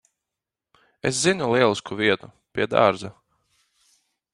Es zinu lielisku vietu. Pie dārza.